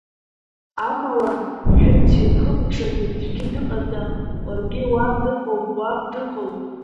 Амала, ԥҳәыс илхымшаз аӡәгьы дыҟаӡам, уаргьы уан дыҟоуп, уаб дыҟоуп.